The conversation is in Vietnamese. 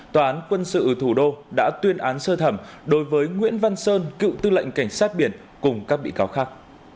tòa án quân sự thủ đô đã tuyên án sơ thẩm đối với nguyễn văn sơn cựu tư lệnh cảnh sát biển cùng các bị cáo khác